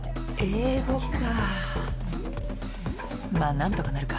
英語かまあ何とかなるか。